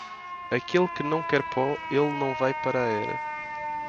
Aquele que não quer pó, ele não vai para a era.